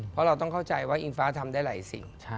เพราะเราต้องเข้าใจว่าอิงฟ้าทำได้หลายสิ่ง